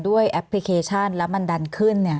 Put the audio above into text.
แอปพลิเคชันแล้วมันดันขึ้น